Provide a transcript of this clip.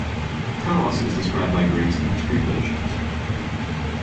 Talos is described by Greeks in two versions.